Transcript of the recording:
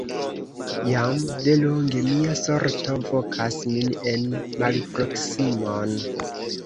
Jam de longe mia sorto vokas min en malproksimon!